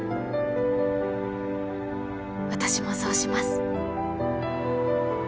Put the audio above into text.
「私もそうします」